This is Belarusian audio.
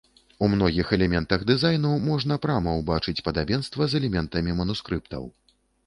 У многіх элементах дызайну можна прама ўбачыць падабенства з элементамі манускрыптаў.